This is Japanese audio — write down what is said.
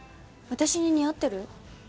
私に似合ってる？